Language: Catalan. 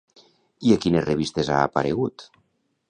I a quines revistes ha aparegut?